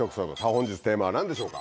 本日テーマは何でしょうか？